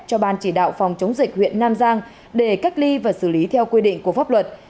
cho ban chỉ đạo phòng chống dịch huyện nam giang để cách ly và xử lý theo quy định của pháp luật